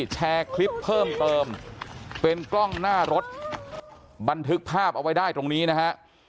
แชร์คลิปเพิ่มเติมเป็นกล้องหน้ารถบันทึกภาพเอาไว้ได้ตรงนี้นะฮะ